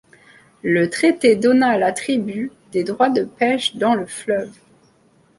Le traité donna à la tribu des droits de pêche dans le fleuve.